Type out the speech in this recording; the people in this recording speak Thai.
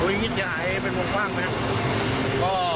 อุ๊ยนี่จะให้เป็นวงกว้างไหมครับ